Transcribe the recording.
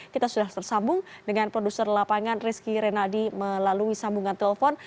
kita sudah tersambung dengan produser lapangan rizky renadi melalui sambungan telepon